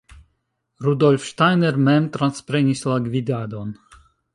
Rudolf Steiner mem transprenis la gvidadon.